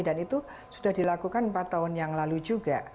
itu sudah dilakukan empat tahun yang lalu juga